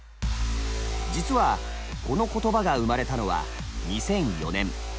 実はこの言葉が生まれたのは２００４年。